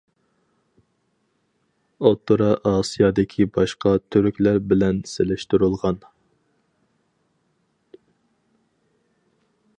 ئوتتۇرا ئاسىيادىكى باشقا تۈركلەر بىلەن سېلىشتۇرۇلغان.